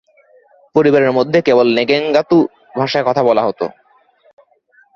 পরিবারের মধ্যে মাত্র নেগেঙ্গাতু ভাষায় কথা বলা হতো।